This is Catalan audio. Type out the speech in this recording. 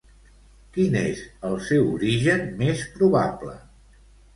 Quin és el seu origen més probable?